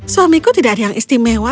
suamiku tidak yang istimewa